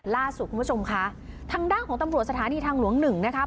ล่าสุดคุณผู้ชมค่ะทางด้านของตำรวจสถานีทางหลวงหนึ่งนะคะ